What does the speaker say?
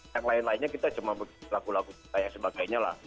yang lain lainnya kita cuma lagu lagu dan sebagainya lah